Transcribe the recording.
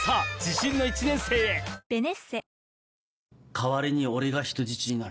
代わりに俺が人質になる。